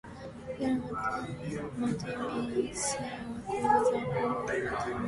These matrices are called the Pauli matrices.